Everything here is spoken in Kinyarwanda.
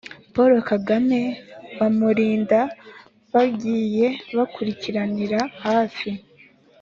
Paul Kagame bamurinda bagiye bakurikiranira hafi